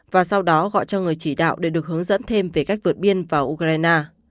và sau đó gọi cho người chỉ đạo để được hướng dẫn thêm về cách vượt biên vào ukraine